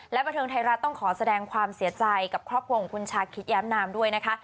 และบันเทิงไทยรัฐต้องขอแสดงความเสียใจกับครอบครัวของคุณชาคิดแย้มนามด้วยนะคะ